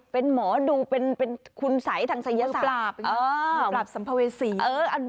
เป็นหมอดูครุนสัยทางศัยศาสน